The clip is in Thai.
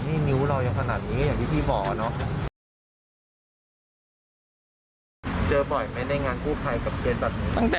ไม่ได้ร้อนแหว่นล้อน